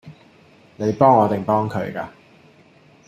你幫我定幫佢㗎？